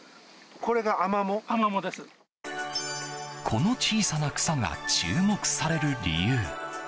この小さな草が注目される理由。